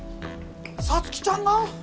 沙月ちゃんが！？